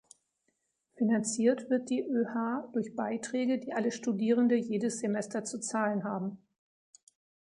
Finanziert wird die ÖH durch Beiträge, die alle Studierende jedes Semester zu zahlen haben.